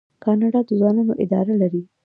کاناډا د ځوانانو اداره لري.